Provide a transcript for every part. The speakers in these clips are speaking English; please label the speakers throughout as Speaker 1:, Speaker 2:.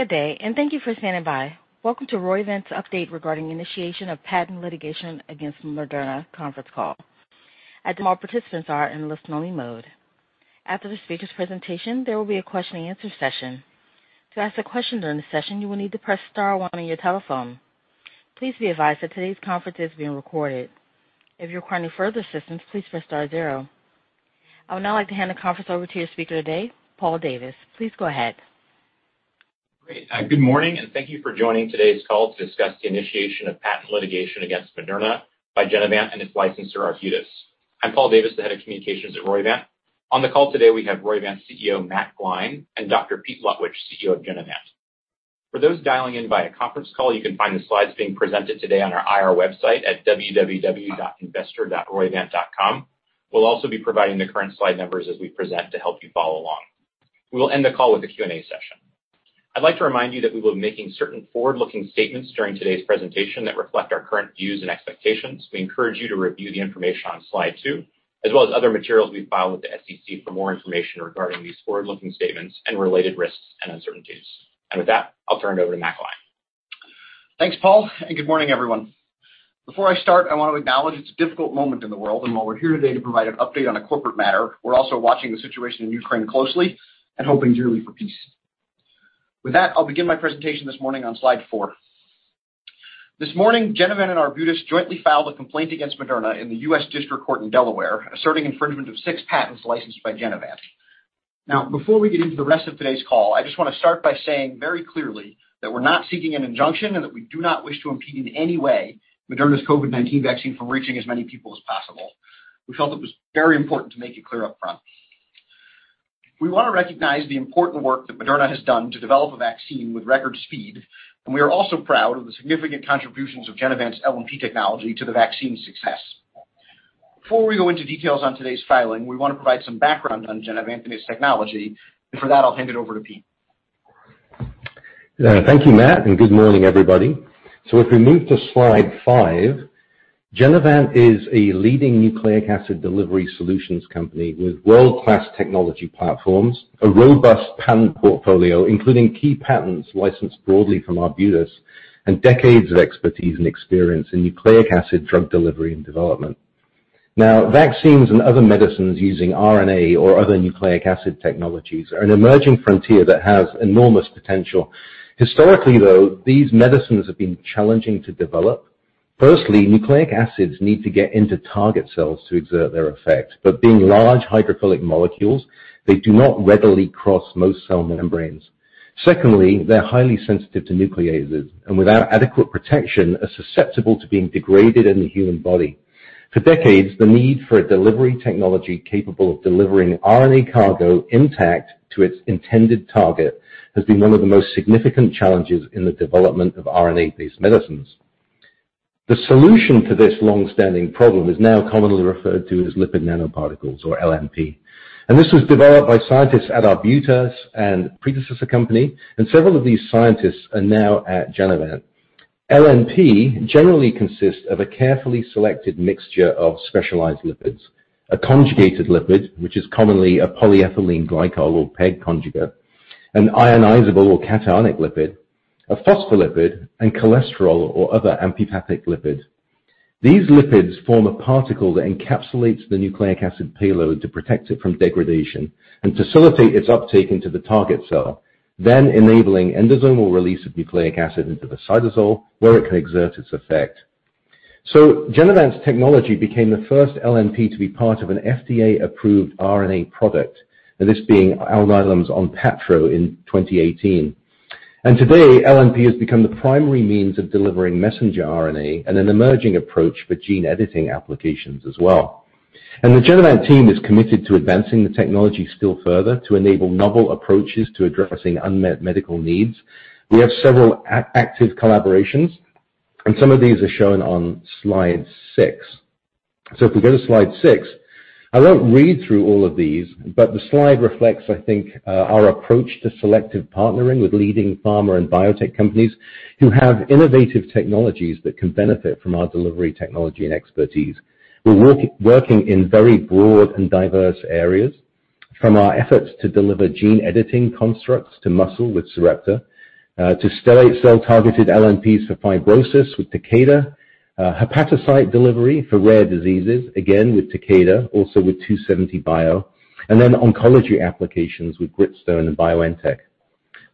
Speaker 1: Good day, and thank you for standing by. Welcome to Roivant's update regarding initiation of patent litigation against Moderna conference call. At this time, all participants are in listen-only mode. After the speaker's presentation, there will be a question and answer session. To ask a question during the session, you will need to press star 1 on your telephone. Please be advised that today's conference is being recorded. If you require any further assistance, please press star 0. I would now like to hand the conference over to your speaker today, Paul Davis. Please go ahead.
Speaker 2: Great. Good morning, and thank you for joining today's call to discuss the initiation of patent litigation against Moderna by Genevant and its licensor, Arbutus. I'm Paul Davis, the head of communications at Roivant. On the call today, we have Roivant's CEO, Matt Gline, and Dr. Pete Lutwyche, CEO of Genevant. For those dialing in via conference call, you can find the slides being presented today on our IR website at www.investor.roivant.com. We'll also be providing the current slide numbers as we present to help you follow along. We will end the call with a Q&A session. I'd like to remind you that we will be making certain forward-looking statements during today's presentation that reflect our current views and expectations. We encourage you to review the information on slide 2, as well as other materials we've filed with the SEC for more information regarding these forward-looking statements and related risks and uncertainties. With that, I'll turn it over to Matt Gline.
Speaker 3: Thanks, Paul, and good morning, everyone. Before I start, I want to acknowledge it's a difficult moment in the world, and while we're here today to provide an update on a corporate matter, we're also watching the situation in Ukraine closely and hoping dearly for peace. With that, I'll begin my presentation this morning on slide 4. This morning, Genevant and Arbutus jointly filed a complaint against Moderna in the U.S. District Court for the District of Delaware, asserting infringement of 6 patents licensed by Genevant. Now, before we get into the rest of today's call, I just wanna start by saying very clearly that we're not seeking an injunction and that we do not wish to impede in any way Moderna's COVID-19 vaccine from reaching as many people as possible. We felt it was very important to make it clear up front. We want to recognize the important work that Moderna has done to develop a vaccine with record speed, and we are also proud of the significant contributions of Genevant's LNP technology to the vaccine's success. Before we go into details on today's filing, we want to provide some background on Genevant and its technology, and for that, I'll hand it over to Pete.
Speaker 4: Thank you, Matt, and good morning, everybody. If we move to slide 5, Genevant is a leading nucleic acid delivery solutions company with world-class technology platforms, a robust patent portfolio, including key patents licensed broadly from Arbutus and decades of expertise and experience in nucleic acid drug delivery and development. Now, vaccines and other medicines using RNA or other nucleic acid technologies are an emerging frontier that has enormous potential. Historically, though, these medicines have been challenging to develop. Firstly, nucleic acids need to get into target cells to exert their effect, but being large hydrophilic molecules, they do not readily cross most cell membranes. Secondly, they're highly sensitive to nucleases, and without adequate protection, are susceptible to being degraded in the human body. For decades, the need for a delivery technology capable of delivering RNA cargo intact to its intended target has been 1 of the most significant challenges in the development of RNA-based medicines. The solution to this long-standing problem is now commonly referred to as lipid nanoparticles or LNP, and this was developed by scientists at Arbutus and predecessor company, and several of these scientists are now at Genevant. LNP generally consists of a carefully selected mixture of specialized lipids, a conjugated lipid, which is commonly a polyethylene glycol or PEG conjugate, an ionizable or cationic lipid, a phospholipid, and cholesterol or other amphipathic lipid. These lipids form a particle that encapsulates the nucleic acid payload to protect it from degradation and facilitate its uptake into the target cell, then enabling endosomal release of nucleic acid into the cytosol, where it can exert its effect. Genevant's technology became the first LNP to be part of an FDA-approved RNA product, this being Alnylam's ONPATTRO in 2018. Today, LNP has become the primary means of delivering messenger RNA and an emerging approach for gene editing applications as well. The Genevant team is committed to advancing the technology still further to enable novel approaches to addressing unmet medical needs. We have several active collaborations, and some of these are shown on slide 6. If we go to slide 6, I won't read through all of these, but the slide reflects, I think, our approach to selective partnering with leading pharma and biotech companies who have innovative technologies that can benefit from our delivery technology and expertise. We're working in very broad and diverse areas from our efforts to deliver gene editing constructs to muscle with Sarepta, to stellate cell-targeted LNPs for fibrosis with Takeda, hepatocyte delivery for rare diseases, again, with Takeda, also with 2seventy bio, and then oncology applications with Gritstone bio and BioNTech.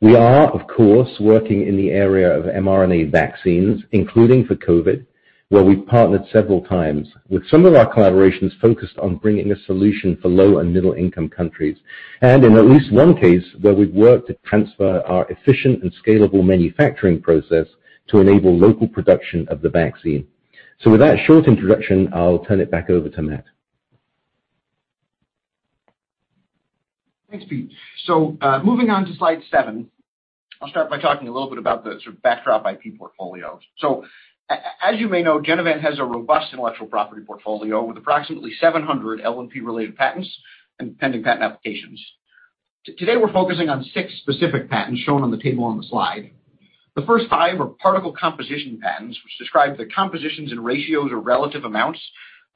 Speaker 4: We are, of course, working in the area of mRNA vaccines, including for COVID, where we've partnered several times with some of our collaborations focused on bringing a solution for low and middle-income countries. In at least 1 case where we've worked to transfer our efficient and scalable manufacturing process to enable local production of the vaccine. With that short introduction, I'll turn it back over to Matt.
Speaker 3: Thanks, Pete. Moving on to slide 7, I'll start by talking a little bit about the sort of backdrop IP portfolio. As you may know, Genevant has a robust intellectual property portfolio with approximately 700 LNP-related patents and pending patent applications. Today, we're focusing on 6 specific patents shown on the table on the slide. The first 5 are particle composition patents, which describe the compositions and ratios or relative amounts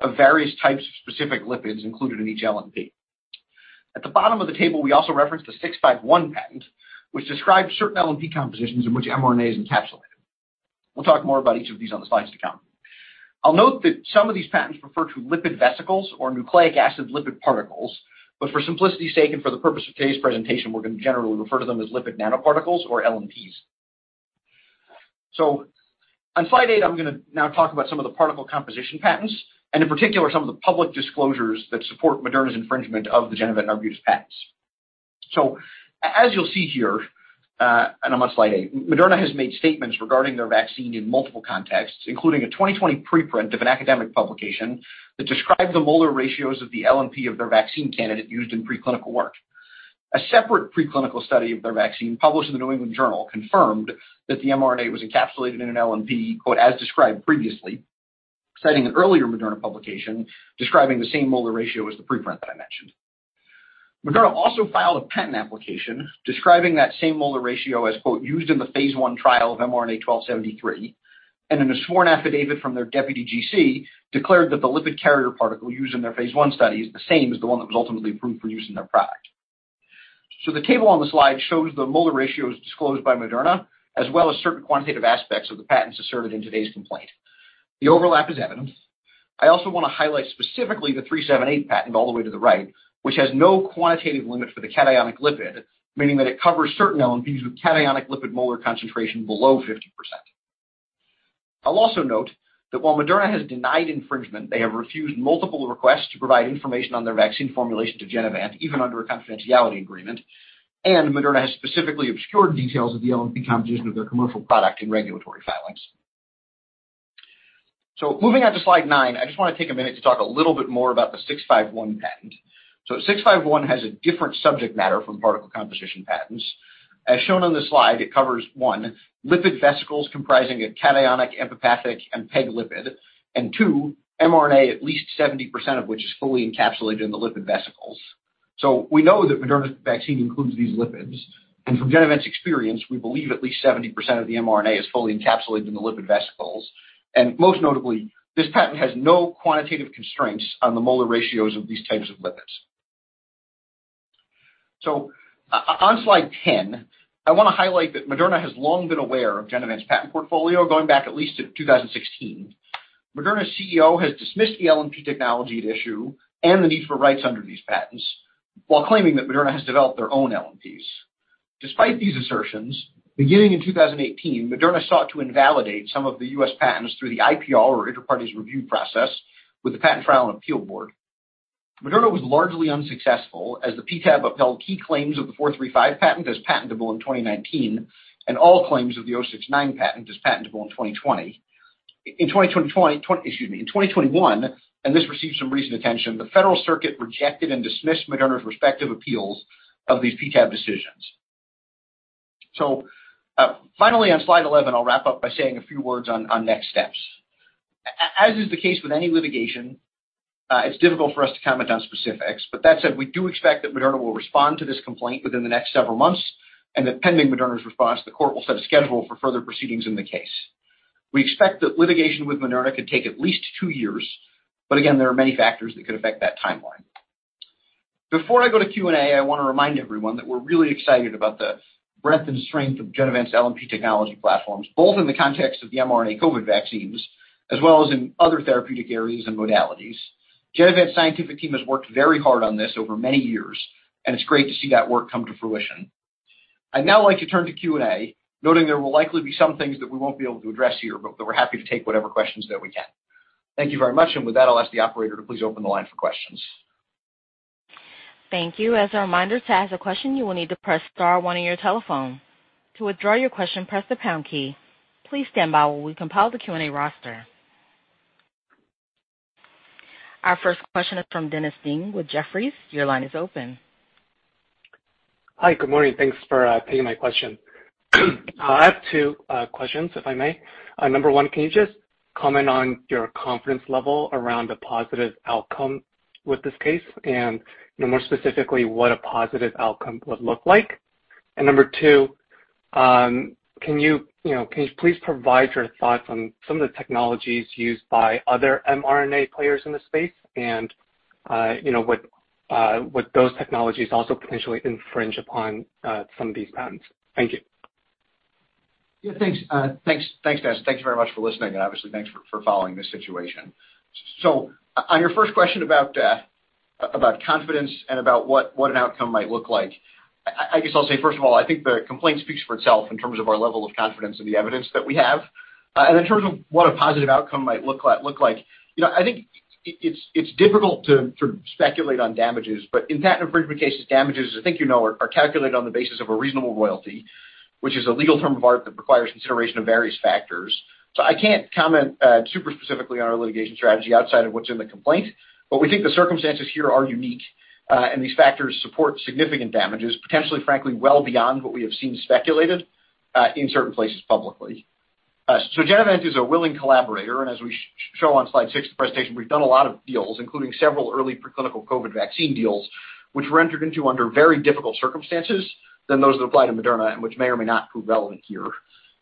Speaker 3: of various types of specific lipids included in each LNP. At the bottom of the table, we also reference the '651 patent, which describes certain LNP compositions in which mRNA is encapsulated. We'll talk more about each of these on the slides to come. I'll note that some of these patents refer to lipid vesicles or nucleic acid lipid particles. For simplicity's sake and for the purpose of today's presentation, we're going to generally refer to them as lipid nanoparticles or LNPs. On slide 8, I'm going to now talk about some of the particle composition patents and in particular, some of the public disclosures that support Moderna's infringement of the Genevant and Arbutus's patents. As you'll see here, and on slide 8, Moderna has made statements regarding their vaccine in multiple contexts, including a 2020 preprint of an academic publication that described the molar ratios of the LNP of their vaccine candidate used in preclinical work. A separate preclinical study of their vaccine, published in the New England Journal, confirmed that the mRNA was encapsulated in an LNP, quote, as described previously, citing an earlier Moderna publication describing the same molar ratio as the preprint that I mentioned. Moderna also filed a patent application describing that same molar ratio as "used in the phase I trial of mRNA-1273," and in a sworn affidavit from their Deputy GC, declared that the lipid carrier particle used in their phase I study is the same as the 1 that was ultimately approved for use in their product. The table on the slide shows the molar ratios disclosed by Moderna, as well as certain quantitative aspects of the patents asserted in today's complaint. The overlap is evident. I also want to highlight specifically the '378 patent all the way to the right, which has no quantitative limit for the cationic lipid, meaning that it covers certain LNPs with cationic lipid molar concentration below 50%. I'll also note that while Moderna has denied infringement, they have refused multiple requests to provide information on their vaccine formulation to Genevant, even under a confidentiality agreement, and Moderna has specifically obscured details of the LNP composition of their commercial product in regulatory filings. Moving on to slide 9, I just want to take a minute to talk a little bit more about the 651 patent. 651 has a different subject matter from particle composition patents. As shown on the slide, it covers, 1, lipid vesicles comprising a cationic, amphipathic, and PEG lipid, and 2, mRNA, at least 70% of which is fully encapsulated in the lipid vesicles. We know that Moderna's vaccine includes these lipids, and from Genevant's experience, we believe at least 70% of the mRNA is fully encapsulated in the lipid vesicles. Most notably, this patent has no quantitative constraints on the molar ratios of these types of lipids. On slide ten, I want to highlight that Moderna has long been aware of Genevant's patent portfolio, going back at least to 2016. Moderna's CEO has dismissed the LNP technology at issue and the need for rights under these patents while claiming that Moderna has developed their own LNPs. Despite these assertions, beginning in 2018, Moderna sought to invalidate some of the U.S. patents through the IPR, or Inter Partes Review process with the Patent Trial and Appeal Board. Moderna was largely unsuccessful as the PTAB upheld key claims of the '435 patent as patentable in 2019, and all claims of the '069 patent as patentable in 2020. In 2021, and this received some recent attention, the Federal Circuit rejected and dismissed Moderna's respective appeals of these PTAB decisions. Finally, on slide 11, I'll wrap up by saying a few words on next steps. As is the case with any litigation, it's difficult for us to comment on specifics. That said, we do expect that Moderna will respond to this complaint within the next several months, and that pending Moderna's response, the court will set a schedule for further proceedings in the case. We expect that litigation with Moderna could take at least 2 years, but again, there are many factors that could affect that timeline. Before I go to Q&A, I want to remind everyone that we're really excited about the breadth and strength of Genevant's LNP technology platforms, both in the context of the mRNA COVID vaccines as well as in other therapeutic areas and modalities. Genevant's scientific team has worked very hard on this over many years, and it's great to see that work come to fruition. I'd now like to turn to Q&A, noting there will likely be some things that we won't be able to address here, but we're happy to take whatever questions that we can. Thank you very much. With that, I'll ask the operator to please open the line for questions.
Speaker 1: Thank you. As a reminder, to ask a question, you will need to press star 1 on your telephone. To withdraw your question, press the pound key. Please stand by while we compile the Q&A roster. Our first question is from Dennis Ding with Jefferies. Your line is open.
Speaker 5: Hi. Good morning. Thanks for taking my question. I have 2 questions, if I may. Number 1, can you just comment on your confidence level around a positive outcome with this case, and, you know, more specifically, what a positive outcome would look like? Number 2, can you please provide your thoughts on some of the technologies used by other mRNA players in the space and, you know, would those technologies also potentially infringe upon some of these patents? Thank you.
Speaker 3: Yeah, thanks. Thanks, Dennis. Thank you very much for listening, and obviously, thanks for following this situation. On your first question about confidence and about what an outcome might look like, I guess I'll say, first of all, I think the complaint speaks for itself in terms of our level of confidence in the evidence that we have. In terms of what a positive outcome might look like, you know, I think it's difficult to sort of speculate on damages, but in patent infringement cases, damages, I think you know, are calculated on the basis of a reasonable royalty, which is a legal term of art that requires consideration of various factors. I can't comment super specifically on our litigation strategy outside of what's in the complaint, but we think the circumstances here are unique, and these factors support significant damages, potentially, frankly, well beyond what we have seen speculated in certain places publicly. Genevant is a willing collaborator, and as we show on slide 6 of the presentation, we've done a lot of deals, including several early preclinical COVID vaccine deals, which were entered into under very difficult circumstances than those that apply to Moderna and which may or may not prove relevant here.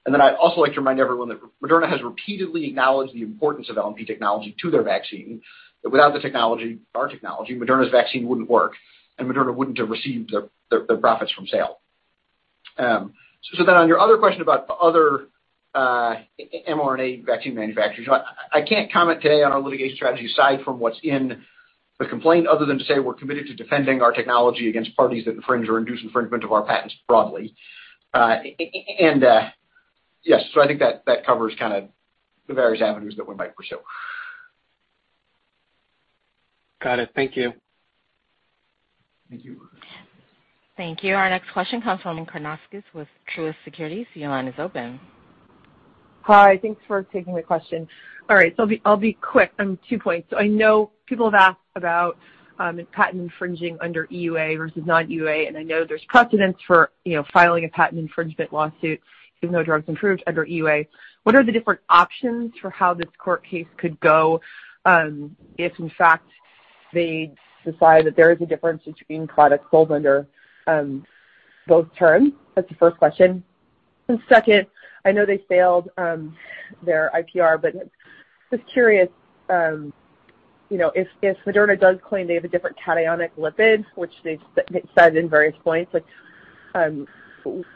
Speaker 3: I'd also like to remind everyone that Moderna has repeatedly acknowledged the importance of LNP technology to their vaccine, that without the technology, our technology, Moderna's vaccine wouldn't work and Moderna wouldn't have received their profits from sale. On your other question about other mRNA vaccine manufacturers, I can't comment today on our litigation strategy aside from what's in the complaint, other than to say we're committed to defending our technology against parties that infringe or induce infringement of our patents broadly. I think that covers kind of the various avenues that we might pursue.
Speaker 5: Got it. Thank you.
Speaker 3: Thank you.
Speaker 1: Thank you. Our next question comes from Yaron Werber with Truist Securities. Your line is open.
Speaker 6: Hi. Thanks for taking the question. All right, I'll be quick on 2 points. I know people have asked about if patent infringing under EUA versus non-EUA, and I know there's precedent for, you know, filing a patent infringement lawsuit even though drug's approved under EUA. What are the different options for how this court case could go, if in fact they decide that there is a difference between products sold under those terms? That's the first question. Second, I know they failed their IPR, but just curious, you know, if Moderna does claim they have a different cationic lipid, which they've said in various points, like,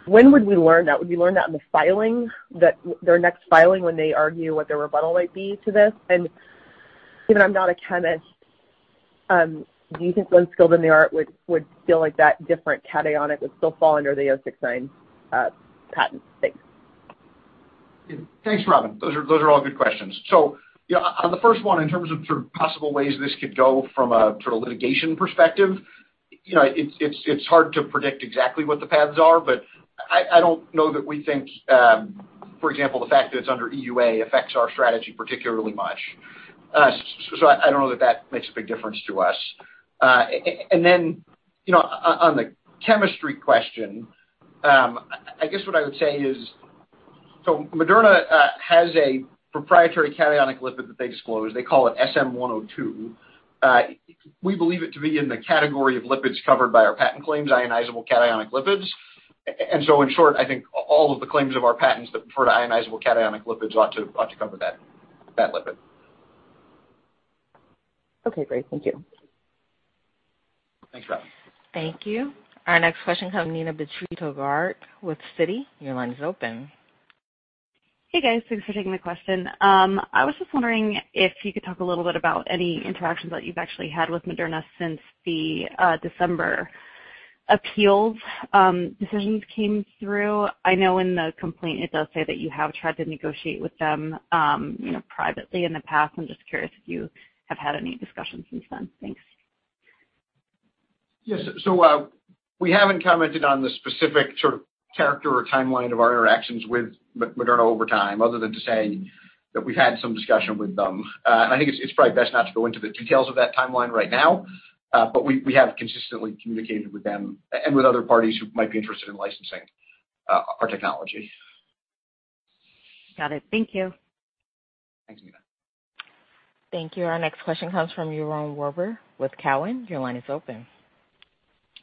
Speaker 6: when would we learn that? Would we learn that in the filing that their next filing when they argue what their rebuttal might be to this? Given I'm not a chemist, do you think 1 skilled in the art would feel like that different cationic would still fall under the 069 patent? Thanks.
Speaker 3: Thanks, Yaron Werber. Those are all good questions. You know, on the first 1, in terms of sort of possible ways this could go from a sort of litigation perspective, you know, it's hard to predict exactly what the paths are, but I don't know that we think, for example, the fact that it's under EUA affects our strategy particularly much. I don't know that that makes a big difference to us. You know, on the chemistry question, I guess what I would say is so Moderna has a proprietary cationic lipid that they disclose. They call it SM-102. We believe it to be in the category of lipids covered by our patent claims, ionizable cationic lipids. In short, I think all of the claims of our patents that refer to ionizable cationic lipids ought to cover that lipid.
Speaker 6: Okay, great. Thank you.
Speaker 3: Thanks, Yaron Werber.
Speaker 1: Thank you. Our next question comes from Neena Bitritto-Garg with Citi. Your line is open.
Speaker 7: Hey, guys. Thanks for taking my question. I was just wondering if you could talk a little bit about any interactions that you've actually had with Moderna since the December appeals decisions came through. I know in the complaint it does say that you have tried to negotiate with them, you know, privately in the past. I'm just curious if you have had any discussions since then. Thanks.
Speaker 3: Yes. We haven't commented on the specific sort of character or timeline of our interactions with Moderna over time, other than to say that we've had some discussion with them. I think it's probably best not to go into the details of that timeline right now. We have consistently communicated with them and with other parties who might be interested in licensing our technology.
Speaker 7: Got it. Thank you.
Speaker 3: Thanks, Nina.
Speaker 1: Thank you. Our next question comes from Yaron Werber with Cowen. Your line is open.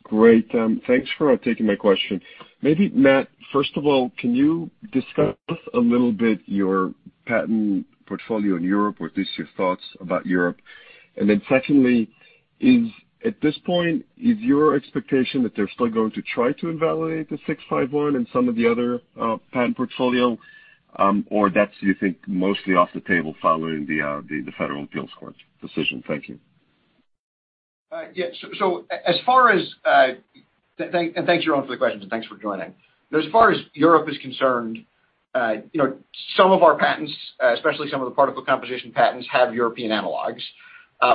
Speaker 6: Great. Thanks for taking my question. Maybe Matt, first of all, can you discuss a little bit your patent portfolio in Europe, or at least your thoughts about Europe? Secondly, at this point, is your expectation that they're still going to try to invalidate the 651 and some of the other patent portfolio, or do you think that's mostly off the table following the Federal Circuit decision? Thank you.
Speaker 3: Yeah. Thanks, Yaron, for the question, and thanks for joining. As far as Europe is concerned, you know, some of our patents, especially some of the particle composition patents, have European analogs.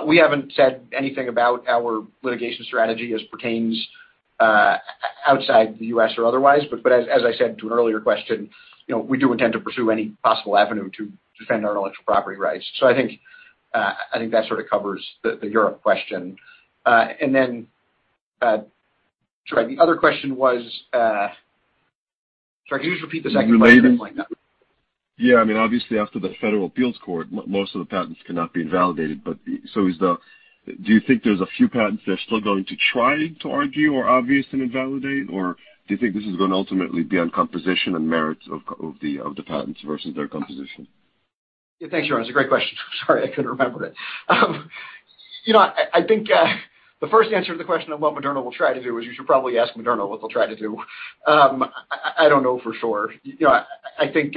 Speaker 3: We haven't said anything about our litigation strategy as pertains outside the U.S. or otherwise, but as I said to an earlier question, you know, we do intend to pursue any possible avenue to defend our intellectual property rights. I think that sort of covers the Europe question. Then, sorry, the other question was. Sorry, could you just repeat the second question? I didn't quite get that.
Speaker 6: Yeah. I mean, obviously after the Federal Circuit, most of the patents cannot be invalidated. Do you think there's a few patents they're still going to try to argue are obvious and invalidate? Or do you think this is gonna ultimately be on composition and merits of the patents versus their composition?
Speaker 3: Yeah. Thanks, Yaron. It's a great question. Sorry, I couldn't remember it. You know, I think the first answer to the question of what Moderna will try to do is you should probably ask Moderna what they'll try to do. I don't know for sure. You know, I think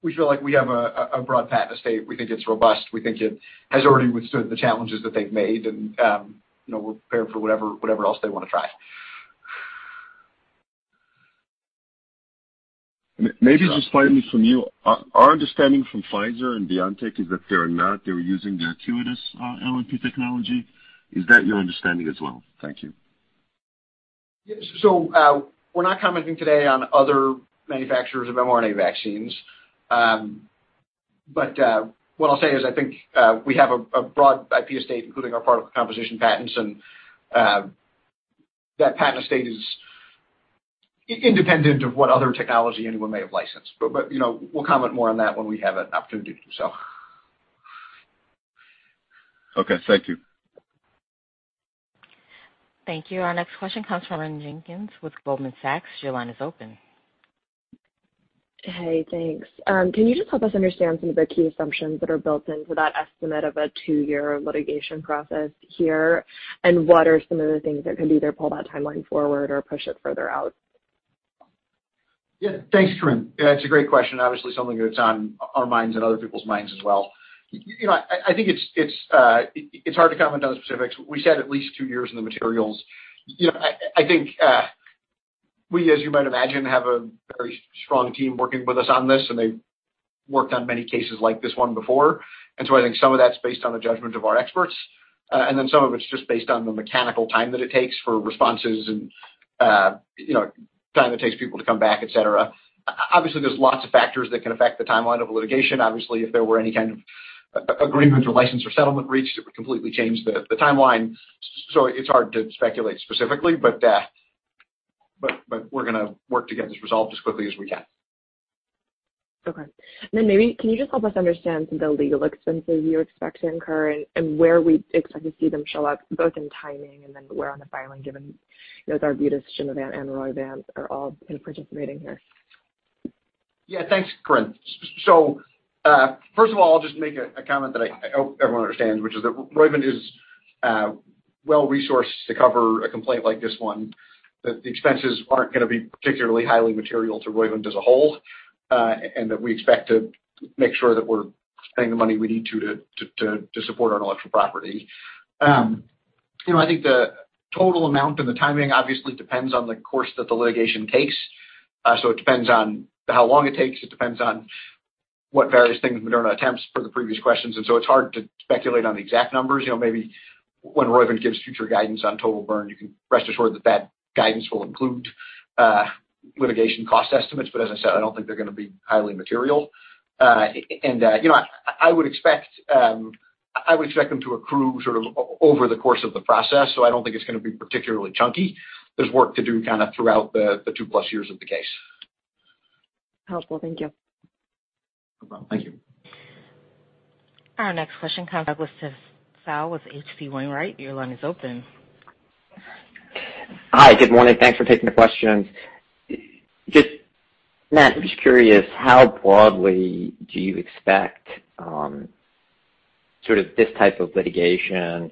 Speaker 3: we feel like we have a broad patent estate. We think it's robust. We think it has already withstood the challenges that they've made, and you know, we're prepared for whatever else they want to try.
Speaker 6: Maybe just finally from you. Our understanding from Pfizer and BioNTech is that they're using the Acuitas LNP technology. Is that your understanding as well? Thank you.
Speaker 3: Yeah, we're not commenting today on other manufacturers of mRNA vaccines. What I'll say is I think we have a broad IP estate, including our particle composition patents, and that patent estate is independent of what other technology anyone may have licensed. You know, we'll comment more on that when we have an opportunity to do so.
Speaker 6: Okay. Thank you.
Speaker 1: Thank you. Our next question comes from Corinne Jenkins with Goldman Sachs. Your line is open.
Speaker 8: Hey, thanks. Can you just help us understand some of the key assumptions that are built into that estimate of a 2-year litigation process here? What are some of the things that can either pull that timeline forward or push it further out?
Speaker 3: Yeah. Thanks, Corinne. Yeah, it's a great question. Obviously something that's on our minds and other people's minds as well. You know, I think it's hard to comment on the specifics. We said at least 2 years in the materials. You know, I think we, as you might imagine, have a very strong team working with us on this, and they've worked on many cases like this 1 before. I think some of that's based on the judgment of our experts, and then some of it's just based on the mechanical time that it takes for responses and, you know, time it takes people to come back, et cetera. Obviously, there's lots of factors that can affect the timeline of a litigation. Obviously, if there were any kind of agreement or license or settlement reached, it would completely change the timeline. It's hard to speculate specifically, but we're gonna work to get this resolved as quickly as we can.
Speaker 8: Okay. Maybe can you just help us understand some of the legal expenses you expect to incur and where we expect to see them show up, both in timing and then where on the filing, given, you know, with Arbutus, Shimervax, and Roivant are all kind of participating here.
Speaker 3: Yeah. Thanks, Corinne. First of all, I'll just make a comment that I hope everyone understands, which is that Roivant is well resourced to cover a complaint like this 1, that the expenses aren't gonna be particularly highly material to Roivant as a whole, and that we expect to make sure that we're spending the money we need to support our intellectual property. You know, I think the total amount and the timing obviously depends on the course that the litigation takes. It depends on how long it takes. It depends on what various things Moderna attempts per the previous questions. It's hard to speculate on the exact numbers. You know, maybe when Roivant gives future guidance on total burn, you can rest assured that that guidance will include litigation cost estimates. As I said, I don't think they're gonna be highly material. You know, I would expect them to accrue sort of over the course of the process, so I don't think it's gonna be particularly chunky. There's work to do kind of throughout the 2+ years of the case.
Speaker 8: Helpful. Thank you.
Speaker 3: No problem. Thank you.
Speaker 1: Our next question comes from Douglas Tsao with H.C. Wainwright. Your line is open.
Speaker 9: Hi. Good morning. Thanks for taking the questions. Just, Matt, I'm just curious how broadly do you expect sort of this type of litigation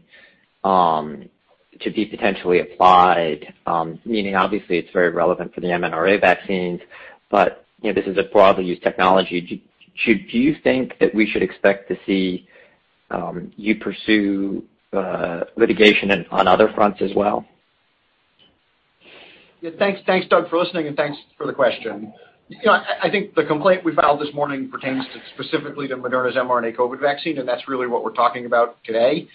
Speaker 9: to be potentially applied, meaning obviously it's very relevant for the mRNA vaccines, but you know, this is a broadly used technology. Do you think that we should expect to see you pursue litigation on other fronts as well?
Speaker 3: Yeah. Thanks. Thanks, Doug, for listening, and thanks for the question. You know, I think the complaint we filed this morning pertains to specifically to Moderna's mRNA COVID vaccine, and that's really what we're talking about today.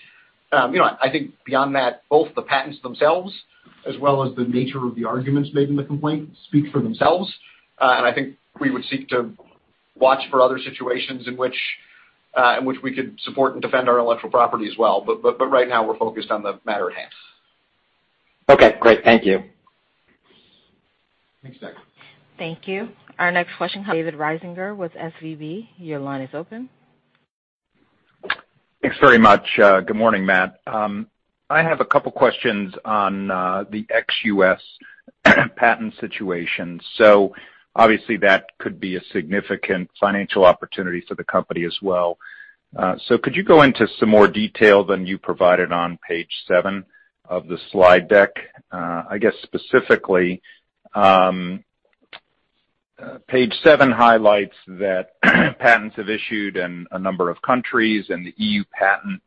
Speaker 3: You know, I think beyond that, both the patents themselves as well as the nature of the arguments made in the complaint speak for themselves. I think we would seek to watch for other situations in which we could support and defend our intellectual property as well. Right now we're focused on the matter at hand.
Speaker 9: Okay, great. Thank you.
Speaker 3: Thanks, Doug.
Speaker 1: Thank you. Our next question, David Risinger with SVB. Your line is open.
Speaker 10: Thanks very much. Good morning, Matt. I have a couple questions on the ex-US patent situation. Obviously that could be a significant financial opportunity for the company as well. Could you go into some more detail than you provided on page 7 of the slide deck? I guess specifically, page 7 highlights that patents have issued in a number of countries and the EU patent,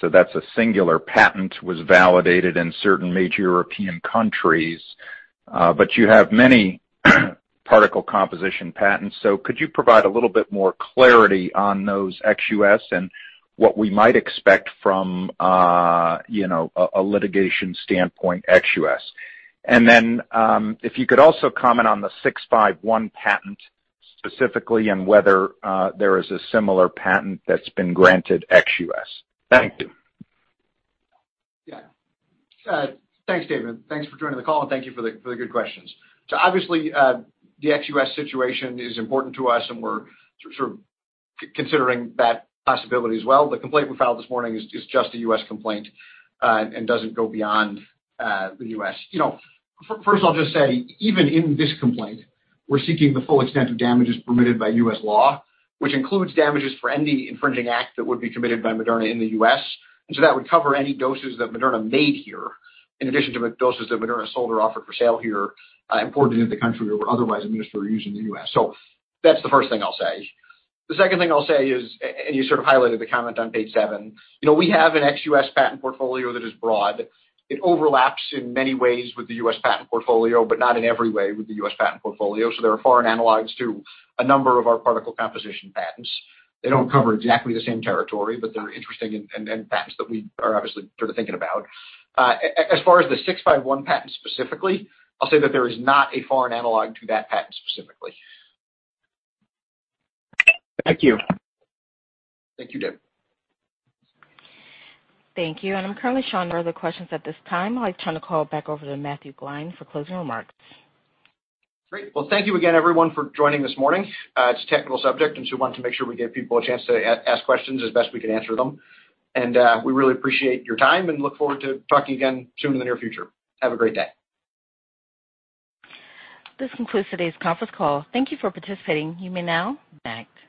Speaker 10: so that's a singular patent, was validated in certain major European countries. But you have many particle composition patents, so could you provide a little bit more clarity on those ex-US and what we might expect from, you know, a litigation standpoint ex-US? Then, if you could also comment on the 651 patent specifically and whether there is a similar patent that's been granted ex-US. Thank you.
Speaker 3: Yeah. Thanks, David. Thanks for joining the call, and thank you for the good questions. Obviously, the ex-U.S. situation is important to us, and we're sort of considering that possibility as well. The complaint we filed this morning is just a U.S. complaint, and doesn't go beyond the U.S. You know, first, I'll just say even in this complaint, we're seeking the full extent of damages permitted by U.S. law, which includes damages for any infringing act that would be committed by Moderna in the U.S. That would cover any doses that Moderna made here in addition to doses that Moderna sold or offered for sale here, imported into the country or otherwise administered or used in the U.S. That's the first thing I'll say. The second thing I'll say is, you sort of highlighted the comment on page 7, you know, we have an ex-U.S. patent portfolio that is broad. It overlaps in many ways with the U.S. patent portfolio, but not in every way with the U.S. patent portfolio. There are foreign analogs to a number of our particle composition patents. They don't cover exactly the same territory, but they're interesting and patents that we are obviously sort of thinking about. As far as the 651 patent specifically, I'll say that there is not a foreign analog to that patent specifically.
Speaker 10: Thank you.
Speaker 3: Thank you, David.
Speaker 1: Thank you. I'm currently showing no other questions at this time. I'd like to turn the call back over to Matt Gline for closing remarks.
Speaker 3: Great. Well, thank you again everyone for joining this morning. It's a technical subject, and so we want to make sure we give people a chance to ask questions as best we can answer them. We really appreciate your time and look forward to talking again soon in the near future. Have a great day.
Speaker 1: This concludes today's conference call. Thank you for participating. You may now disconnect.